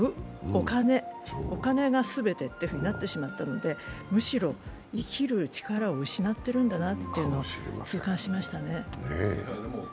お金、お金が全てっていうふうになってしまったので、むしろ、生きる力を失っているんだなと痛感しましたね。